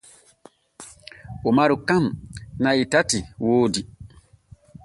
Umaru kan na’i tati woodi.